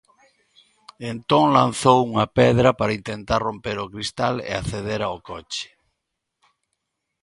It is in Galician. Entón lanzou unha pedra para intentar romper o cristal e acceder ao coche.